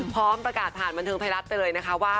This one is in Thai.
พร้อมประกาศผ่านบันเทิงไทยรัฐไปเลยนะคะว่า